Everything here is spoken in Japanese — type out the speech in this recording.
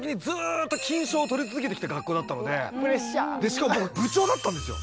しかも僕部長だったんですよ。